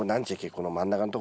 この真ん中のとこ。